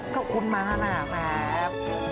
ก็คุณม่าน่ะแวบ